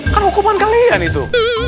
kan hukuman kalian itu